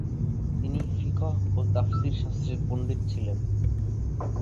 তিনি ফিকহ ও তাফসির শাস্ত্রের পণ্ডিত ছিলেন।